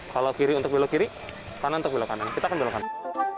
kalau kiri untuk belok kiri kanan untuk belok kanan kita akan belok kanan